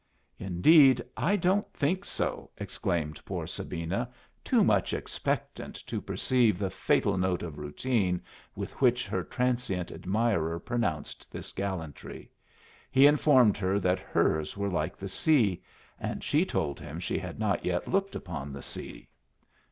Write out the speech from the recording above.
"Indeed, I don't think so!" exclaimed poor Sabina, too much expectant to perceive the fatal note of routine with which her transient admirer pronounced this gallantry. He informed her that hers were like the sea, and she told him she had not yet looked upon the sea.